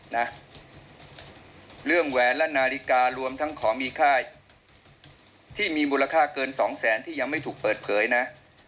นะเรื่องแหวนและนาฬิการวมทั้งของมีค่าที่มีมูลค่าเกินสองแสนที่ยังไม่ถูกเปิดเผยนะ